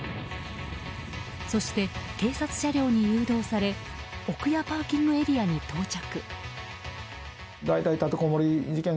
そして、警察車両に誘導され奥屋ＰＡに到着。